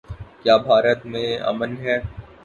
کیا بھارت میں امن ہے؟